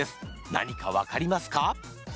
何か分かりますか？